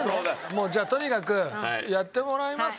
もうじゃあとにかくやってもらいますか。